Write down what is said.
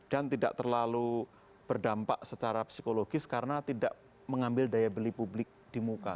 dan tidak terlalu berdampak secara psikologis karena tidak mengambil daya beli publik di muka